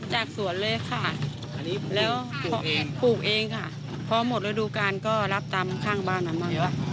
จากสวนเลยค่ะแล้วปลูกเองค่ะพอหมดฤดูการก็รับตามข้างบ้านอ่ะมาก